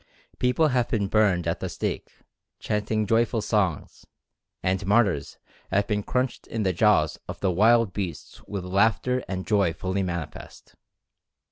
People have been burned at the stake, chanting joyful songs, and martyrs have been crunched in the jaws of the wild beasts with laughter and joy fully manifest.